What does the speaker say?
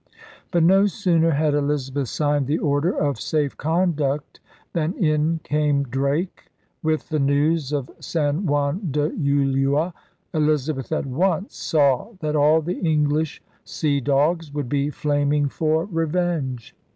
But no sooner had Elizabeth signed the order of safe conduct than in came Drake with the news of San Juan de Ulua. Elizabeth at once saw that all the English sea dogs would be flaming for revenge.